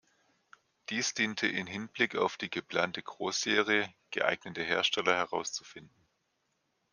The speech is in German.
Dies diente in Hinblick auf die geplante Großserie, geeignete Hersteller herauszufinden.